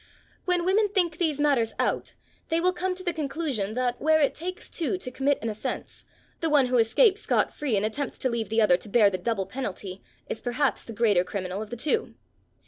When women think these matters out, they will come to the conclusion that where it takes two to commit an offence, the one who escapes scot free and attempts to leave the other to bear the double penalty, is perhaps the greater criminal of the two.